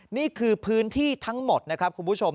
นี่คือพื้นที่ทั้งหมดนะครับคุณผู้ชม